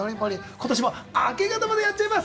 今年も明け方までやっちゃいます